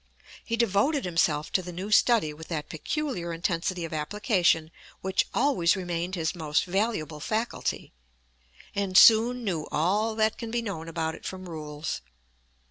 He devoted himself to the new study with that peculiar intensity of application which always remained his most valuable faculty, and soon knew all that can be known about it from rules.